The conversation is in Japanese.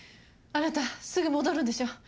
あなたすぐ戻るんでしょ？